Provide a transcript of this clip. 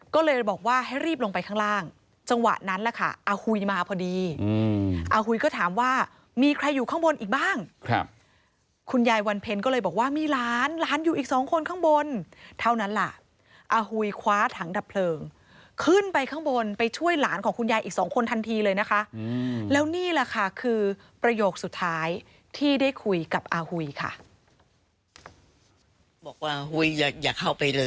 ก็เลยบอกว่าให้รีบลงไปข้างล่างจังหวะนั้นแหละค่ะอาหุยมาพอดีอาหุยก็ถามว่ามีใครอยู่ข้างบนอีกบ้างครับคุณยายวันเพ็ญก็เลยบอกว่ามีหลานหลานอยู่อีกสองคนข้างบนเท่านั้นล่ะอาหุยคว้าถังดับเพลิงขึ้นไปข้างบนไปช่วยหลานของคุณยายอีกสองคนทันทีเลยนะคะแล้วนี่แหละค่ะคือประโยคสุดท้ายที่ได้คุยกับอาหุยค่ะบอกว่าหุยอย่าเข้าไปเลย